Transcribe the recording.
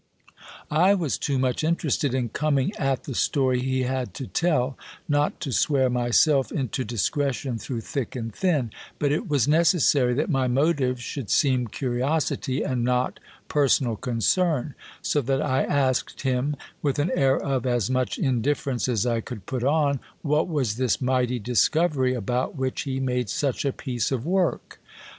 I was too much interested in coming at the story he had to tell, not to swear myself into discretion through thick and thin ; but it was necessary that my motive should seem curiosity and not personal concern, so that I asked him, with an air of as much indifference as I could put on, what was this mighty discovery about which he made such a piece of work.